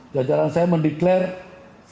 jajaran saya mendeklarasi